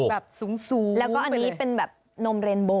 แบบสูงแล้วก็อันนี้เป็นแบบนมเรนโบ